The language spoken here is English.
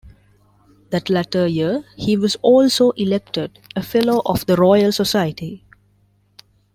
That latter year he was also elected a Fellow of the Royal Society.